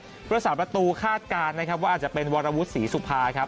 กันบ้างนะครับรัฐศาสตร์ประตูคาดการณ์นะครับว่าอาจจะเป็นวรวุฒิสีสุภาครับ